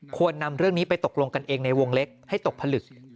ควรนำเรื่องนี้ไปตกลงกันเองในวงเล็กให้ตกผลึก